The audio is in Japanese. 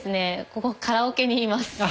ここカラオケにいます。